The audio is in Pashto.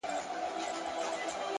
هوډ د ستړیا تر شا هم دوام کوي.!